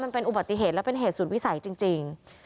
มันเป็นอุบัติเหตุและเป็นเหตุสุดวิสัยจริง